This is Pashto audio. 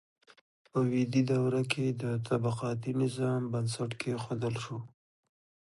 په ویدي دوره کې د طبقاتي نظام بنسټ کیښودل شو.